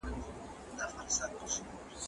کېدای سي سبزېجات سوځي